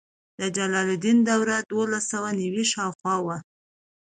د جلال الدین دوره د دولس سوه نوي شاوخوا وه.